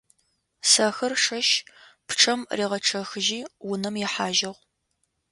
Сэхыр шэщ пчъэм ригъэчъэхыжьи унэм ихьажьыгъ.